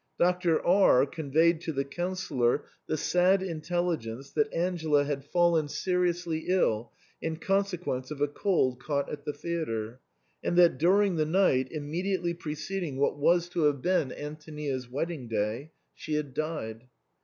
Doctor R conveyed to the Councillor the sad intelligence that Angela had fallen seriously ill in consequence of a cold caught at the theatre, and that during the night immediately pre ceding what was to have been Antonia's wedding day, she had died.